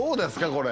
これ。